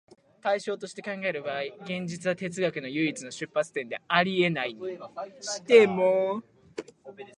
対象として考える場合、現実は哲学の唯一の出発点であり得ないにしても、